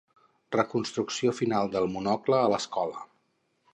Reconstrucció final del Monocle a l'escola.